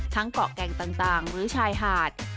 เกาะแก่งต่างหรือชายหาด